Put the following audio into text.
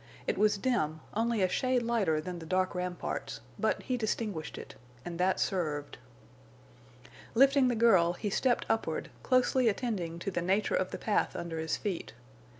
It was dim, only a shade lighter than the dark ramparts, but he distinguished it, and that served. Lifting the girl, he stepped upward, closely attending to the nature of the path under his feet.